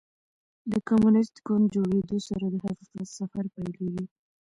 د کمونیسټ ګوند جوړېدو سره د حقیقت سفر پیلېږي.